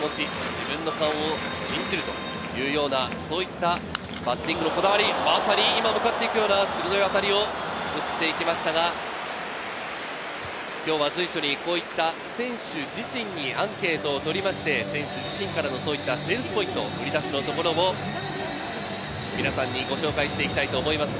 自分の勘を信じる」というようなそういったバッティングのこだわり、まさに今、向かっていくような鋭い当たりを打っていきましたが、今日は随所にこういった、選手自身にアンケートを取りまして、選手自身からのそういったセールスポイントを皆さんにご紹介していきたいと思います。